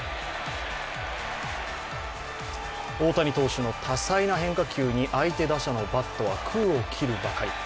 大谷投手の多彩な変化球に相手打者のバットは空を切るばかり。